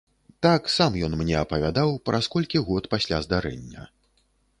Так сам ён мне апавядаў праз колькі год пасля здарэння.